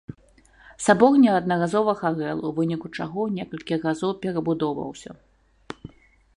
Сабор неаднаразова гарэў, у выніку чаго некалькі разоў перабудоўваўся.